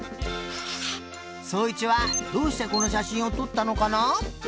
そういちはどうしてこのしゃしんをとったのかな？